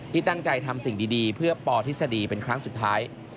ที่ตั้งใจทำสิ่งดีเพื่อปทฤษฎีเป็นครั้งสุดท้าย